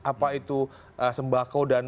apa itu sembako dan